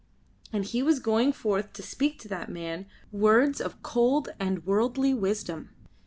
And he was going forth to speak to that man words of cold and worldly wisdom.